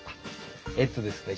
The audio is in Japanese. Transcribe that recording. えっとですね